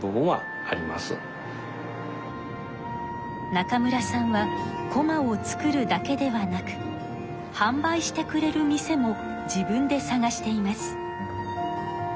中村さんはこまを作るだけではなく販売してくれる店も自分でさがしています。